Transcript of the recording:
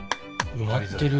埋まってる？